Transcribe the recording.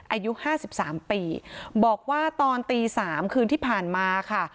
อายุห้าสิบสามปีบอกว่าตอนตี๓คืนที่ผ่านมาค่ะ